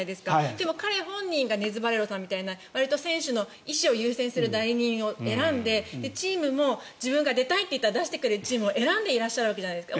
でも、彼本人がネズ・バレロさんみたいなわりと選手の意思を優先する代理人を選んでチームも自分が出たいって言ったら出してくれるチームを選んでいるわけじゃないですか。